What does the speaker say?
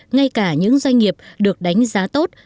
ngay cả những doanh nghiệp được đánh giá tốt